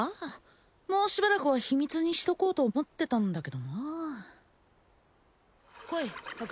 もうしばらくは秘密にしとこうと思ってたんだけどな来い白